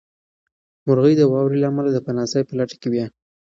مرغۍ د واورې له امله د پناه ځای په لټه کې وې.